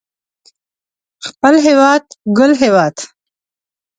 خپل هيواد ګل هيواد